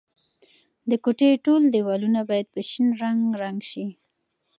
د کوټې ټول دیوالونه باید په شین رنګ رنګ شي.